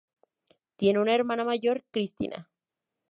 Tiene una hermana mayor, Cristina.